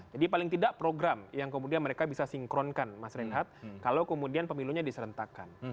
jadi paling tidak program yang kemudian mereka bisa sinkronkan mas renhat kalau kemudian pemilunya diserentakkan